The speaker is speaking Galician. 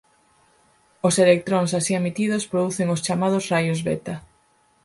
Os electróns así emitidos producen os chamados raios beta.